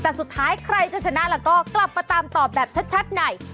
แต่สุดท้ายใครจะชนะแล้วก็กลับมาตามตอบแบบชัดใน